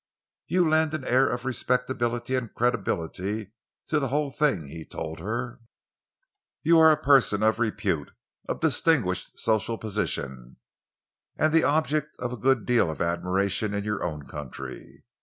"You lend an air of respectability and credibility to the whole thing," he told her. "You are a person of repute, of distinguished social position, and the object of a good deal of admiration in your own country.